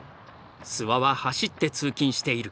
諏訪は走って通勤している。